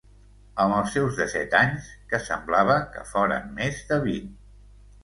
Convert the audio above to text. Amb els seus dèsset anys, que semblava que foren més de vint.